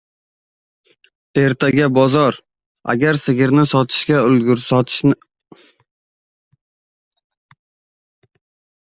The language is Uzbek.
Shavkat Mirziyoyev Putin bilan telefon orqali muloqot qildi